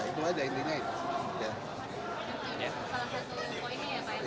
itu aja intinya itu